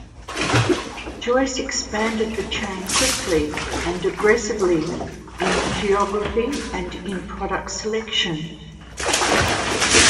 Joyce expanded the chain quickly and aggressively in geography and in product selection.